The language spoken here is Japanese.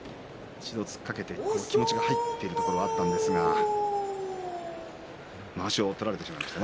一度突っかけて、気持ちが入っているところがありましたがまわしを取られてしまいました。